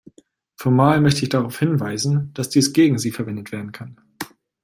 Formal möchte ich darauf hinweisen, dass dies gegen Sie verwendet werden kann.